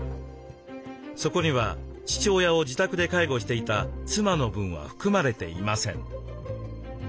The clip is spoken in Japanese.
そこには父親を自宅で介護していた妻の分は含まれていません。